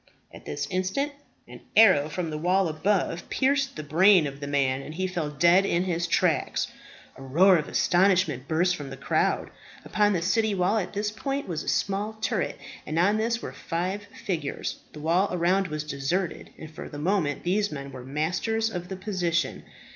At this instant an arrow from the wall above pierced the brain of the man, and he fell dead in his tracks. A roar of astonishment burst from the crowd. Upon the city wall at this point was a small turret, and on this were five figures. The wall around was deserted, and for the moment these men were masters of the position.